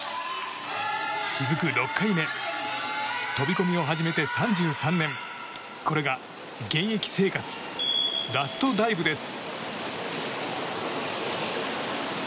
続く６回目飛込を始めて３３年これが現役生活ラストダイブです。